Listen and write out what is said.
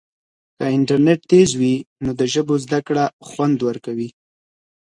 که انټرنیټ تېز وي نو د ژبو زده کړه خوند ورکوي.